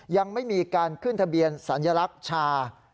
ยังไม่มีการขึ้นทะเบียนสัญลักษณ์ชา